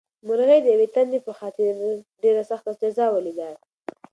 مرغۍ د یوې تندې په خاطر ډېره سخته جزا ولیده.